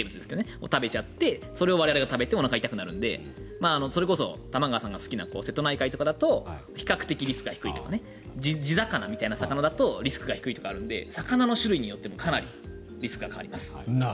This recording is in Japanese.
それを食べちゃってそれを我々が食べておなかが痛くなるのでそれこそ玉川さんが好きな瀬戸内海とかだと比較的リスクが低いとか地魚みたいなのだとリスクが低いとかあるので魚の種類によってもかなりリスクの差があります。